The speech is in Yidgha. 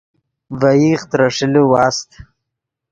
ڤے ایغ ترے ݰیلے واست